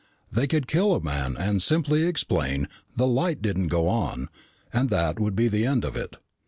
They could kill a man and simply explain, "The light didn't go on!" and that would be the end of it.